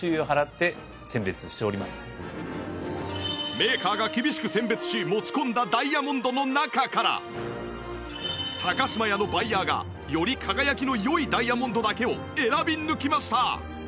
メーカーが厳しく選別し持ち込んだダイヤモンドの中から島屋のバイヤーがより輝きの良いダイヤモンドだけを選び抜きました